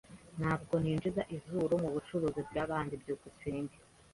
Ntabwo ninjiza izuru mubucuruzi bwabandi. byukusenge